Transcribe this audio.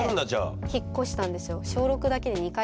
それで引っ越したんですよ。